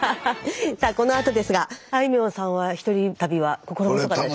さあこのあとですがあいみょんさんは１人旅は心細かったですか？